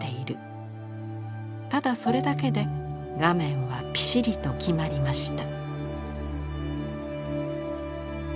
ただそれだけで画面はぴしりときまりました」。